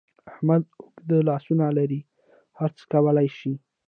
احمد اوږده لاسونه لري؛ هر څه کولای شي.